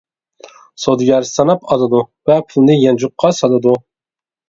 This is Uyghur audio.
سودىگەر ساناپ ئالىدۇ ۋە پۇلنى يانچۇققا سالىدۇ.